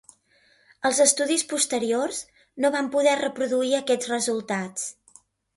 Els estudis posteriors no van poder reproduir aquests resultats.